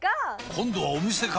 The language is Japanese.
今度はお店か！